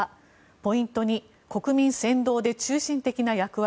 ポイント２国民扇動で中心的な役割